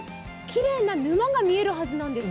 きれいな沼が見えるはずです。